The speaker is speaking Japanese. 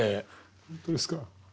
本当ですか？